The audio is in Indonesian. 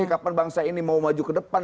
kapan bangsa ini mau maju ke depan